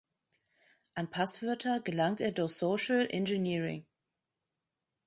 An Passwörter gelangt er durch Social Engineering.